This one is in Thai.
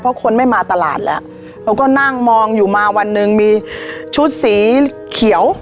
เพราะคนไม่มาตลาดแล้วเขาก็นั่งมองอยู่มาวันหนึ่งมีชุดสีเขียว